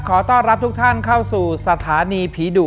ขอต้อนรับทุกท่านเข้าสู่สถานีผีดุ